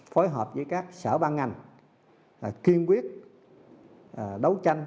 phối hợp với các sở ban ngành kiên quyết đấu tranh